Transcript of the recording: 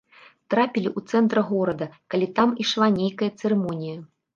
Трапілі ў цэнтр горада, калі там ішла нейкая цырымонія.